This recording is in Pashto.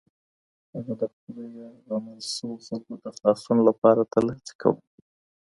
هغه د خپلو یرغمل شویو خلکو د خلاصون لپاره تل هڅې کولې.